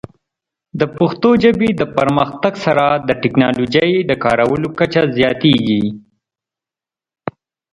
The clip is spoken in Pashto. د پښتو ژبې د پرمختګ سره، د ټیکنالوجۍ د کارولو کچه زیاتېږي.